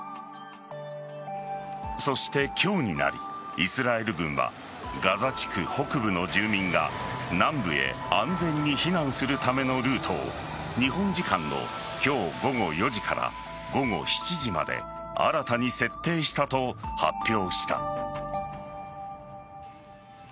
そして今日になりイスラエル軍はガザ地区北部の住民が南部へ安全に避難するためのルートを日本時間の今日午後４時から午後７時まで新たに設定したと発表した。